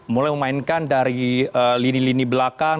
mulai memainkan dari lini lini belakang